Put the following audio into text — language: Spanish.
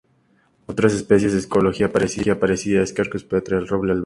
Otra especie de ecología parecida es "Quercus petraea", el roble albar.